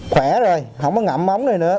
khỏe rồi không có ngậm ống này nữa